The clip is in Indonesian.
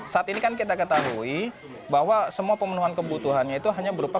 saat ini kan kita ketahui bahwa semua pemenuhan kebutuhannya itu hanya berupa